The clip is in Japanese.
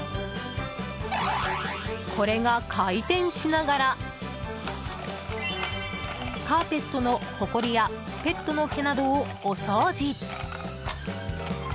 これが回転しながらカーペットのほこりやペットの毛などをお掃除。